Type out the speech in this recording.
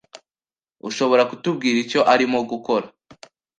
Ushobora kutubwira icyo arimo gukora?